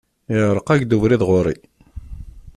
Iεreq-ak-d ubrid ɣur-i.